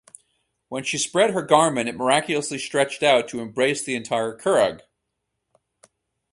When she spread her garment it miraculously stretched out to embrace the entire Curragh.